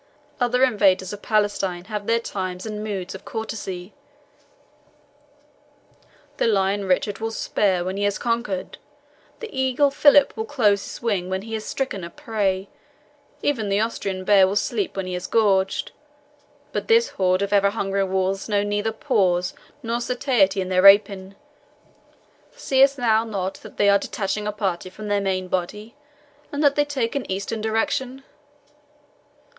Other invaders of Palestine have their times and moods of courtesy. The lion Richard will spare when he has conquered, the eagle Philip will close his wing when he has stricken a prey, even the Austrian bear will sleep when he is gorged; but this horde of ever hungry wolves know neither pause nor satiety in their rapine. Seest thou not that they are detaching a party from their main body, and that they take an eastern direction?